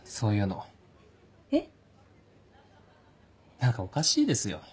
何かおかしいですよ